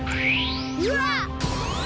うわっ！